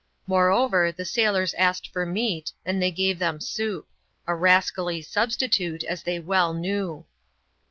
Moreover, the sailors asked for meat, and they gave them soup ; a rascally sub stitute, as they well knew.